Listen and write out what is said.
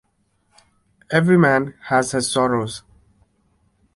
Every man has his sorrows.